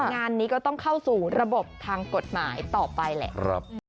งานนี้ก็ต้องเข้าสู่ระบบทางกฎหมายต่อไปแหละ